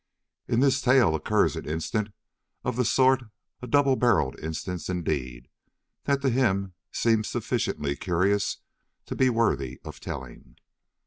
In this tale occurs an instance of the sort, a "double barrelled" instance indeed, that to him seems sufficiently curious to be worthy of telling.